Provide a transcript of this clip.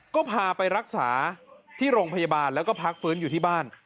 ก็พาไปรักษาที่โรงพยาบาลแล้วก็พักฟื้นอยู่ที่บ้าน